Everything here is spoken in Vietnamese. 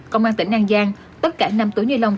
công an tỉnh an giang tất cả năm túi ni lông